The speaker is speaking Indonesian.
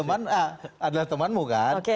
adalah temanmu kan